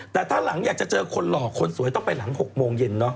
แต่ถ้าหลังอยากจะเจอคนหล่อคนสวยต้องไปหลัง๖โมงเย็นเนอะ